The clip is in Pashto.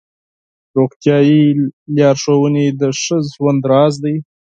روغتیایي لارښوونې د ښه ژوند راز دی.